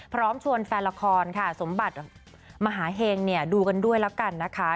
พร้อมชวนแฟนละครค่ะสมบัติมหาเฮงดูด้วยแล้วกันนะคะ